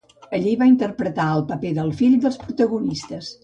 Allí va interpretar el paper del fill dels protagonistes.